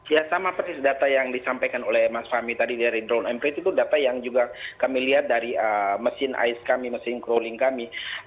ya sama persis data yang disampaikan oleh mas fahmi tadi dari drone emprit itu data yang juga kami lihat dari mesin ais kami mesin crawling kami